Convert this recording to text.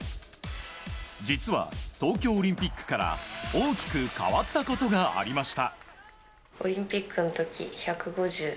実は、東京オリンピックから大きく変わったことがありました。